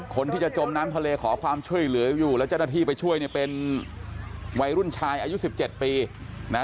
คนที่จะจมน้ำทะเลขอความช่วยเหลืออยู่แล้วเจ้าหน้าที่ไปช่วยเนี่ยเป็นวัยรุ่นชายอายุ๑๗ปีนะ